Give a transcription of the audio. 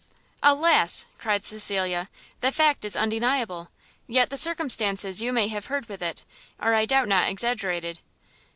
"Alas!" cried Cecilia, "the fact is undeniable! yet the circumstances you may have heard with it, are I doubt not exaggerated."